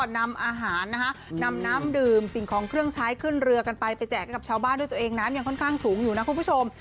น้ำยังค่อนข้างสูงอยู่นะคุณผู้ชม